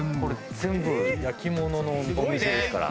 全部焼き物のお店ですから。